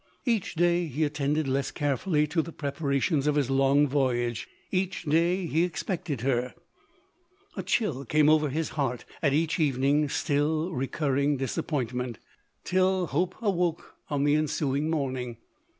Each day he attended less carefully to the preparations of his long voyage. Each day he expected her ; a chill came over his heart at each evening's still recurring disappointment, till LODORE. 191 hope awoke on the ensuing morning.